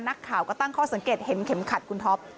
นักข่าวก็ตั้งข้อสังเกตเห็นเข็มขัดคุณท็อป